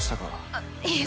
あっいえ